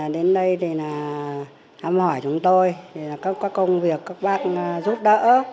đến đây thì hâm hỏi chúng tôi các công việc các bác giúp đỡ